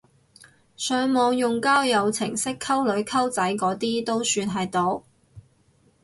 上網用交友程式溝女溝仔嗰啲都算係毒！